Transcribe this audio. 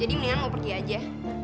jadi mendingan lo pergi aja